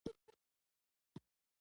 ورزش د عضلاتو درزونه کموي.